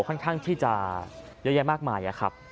ค่อนข้างที่จะเยอะแยะมากมายครับ